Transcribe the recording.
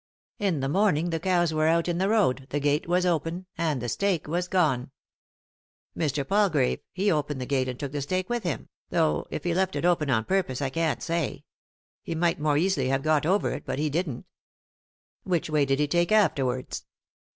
In the morning the cows were out in the road, the gate was open, and the stake was gone. Mr. Palgrave, he opened 109 3i 9 iii^d by Google THE INTERRUPTED KISS the gate and took the stake with him ; though if he left it open on purpose I can't say. He might more easily have got over it, but he didn't" "Which way did he take afterwards